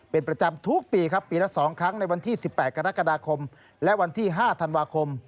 เป็นประจำทุกปีครับปีละ๒ครั้งในวันที่๑๘กรกฎาคมและวันที่๕ธันวาคม